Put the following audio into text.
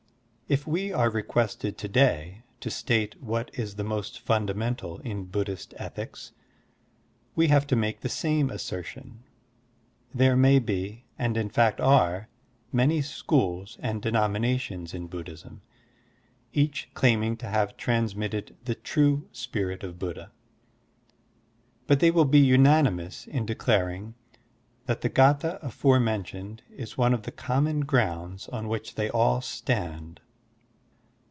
If we are requested to day to state what is the most ftmdamental in Buddhist ethics, we have to make the same assertion. There may be and in fact are many schools and denominations in Buddhism, each claiming to have transmitted the true spirit of Buddha; but they will be tmanimous in declaring that the g^thd afore mentioned is one of the common grotmds on which they all stand.